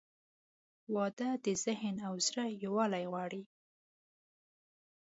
• واده د ذهن او زړه یووالی غواړي.